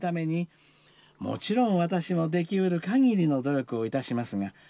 もちろん私もできうる限りの努力をいたしますが。